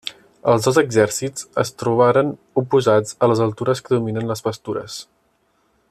Els dos exèrcits es trobaren oposats a les altures que dominen les pastures.